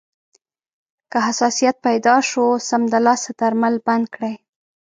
که حساسیت پیدا شو، سمدلاسه درمل بند کړئ.